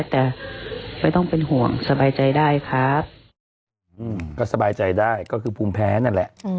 แต่ไม่ต้องเป็นห่วงสบายใจได้ครับก็สบายใจได้ก็คือภูมิแพ้นั่นแหละ